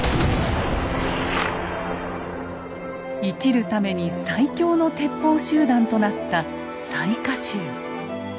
生きるために最強の鉄砲集団となった雑賀衆。